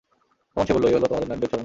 তখন সে বলল, এ হল তোমাদের নারীদের ছলনা।